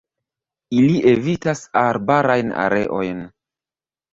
Ili evitas arbarajn areojn.